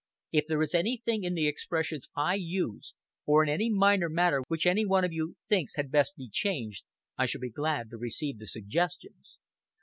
If there is anything in the expressions I use, or in any minor matter which any one of you thinks had best be changed, I shall be glad to receive the suggestions.